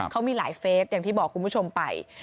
เขามีหลายเฟสอย่างที่บอกคุณผู้ชมไป